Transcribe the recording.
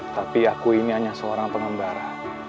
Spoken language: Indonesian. tapi aku ini hanya seorang pengembara